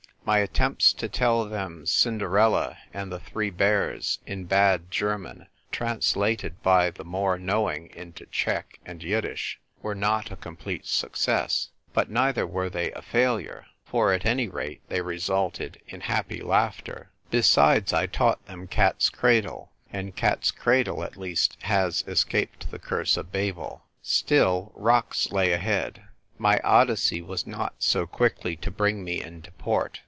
My attempts to tell them "Cinderella" and "The Three Bears," in bad German, trans lated by the more knowing into Czech and Yiddish, were not a complete success ; but neither were they a failure, for at any rate they resulted in happy laughter. Besides I taught them cat's cradle, and cat's cradle at least has escaped the curse of Babel. Still, rocks lay ahead. My Odyssey was not so quickly to bring me into port.